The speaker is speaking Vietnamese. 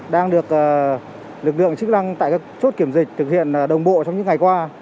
đang được lực lượng chức năng tại các chốt kiểm dịch thực hiện đồng bộ trong những ngày qua